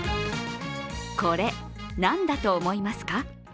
これ、何だと思いますか？